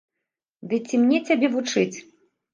Ды ці мне цябе вучыць?